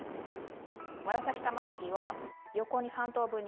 紫たまねぎは横に３等分に切っています。